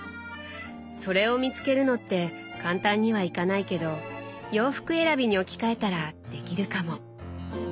それを見つけるのって簡単にはいかないけど洋服選びに置き換えたらできるかも。